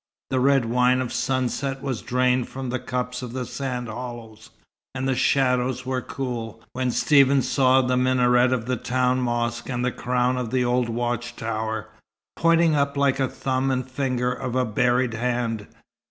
The red wine of sunset was drained from the cups of the sand hollows, and the shadows were cool when Stephen saw the minaret of the town mosque and the crown of an old watch tower, pointing up like a thumb and finger of a buried hand.